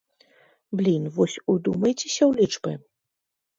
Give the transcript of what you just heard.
Блін, вось удумайцеся ў лічбы.